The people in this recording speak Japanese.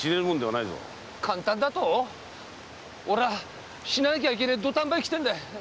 簡単だと⁉俺は死ななきゃいけない土壇場に来てるんだ！